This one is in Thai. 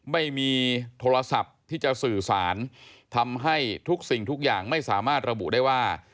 ไม่มีโทรศัพท์ที่จะสื่อสารทำให้ทุกสิ่งทุกอย่างไม่สามารถระบุได้ว่า